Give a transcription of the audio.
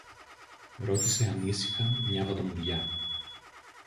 ρώτησε ανήσυχα μια βατομουριά.